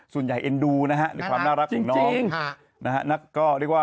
ส่วนใหญ่เอ็นดูนะฮะความน่ารักของน้อง